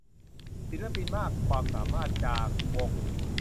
ศิลปินมากความสามารถจากวง